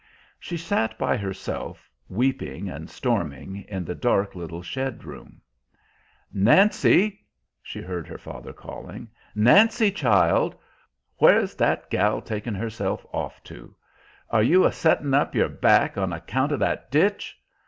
She sat by herself, weeping and storming, in the dark little shed room. "Nancy!" she heard her father calling, "Nancy, child!... Where's that gal taken herself off to?... Are you a settin' up your back on account of that ditch?